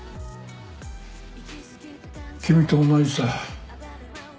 君と同じさ。